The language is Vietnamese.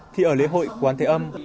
thì ở lễ hội quán thế âm